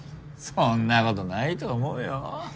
そんなことないと思うよ。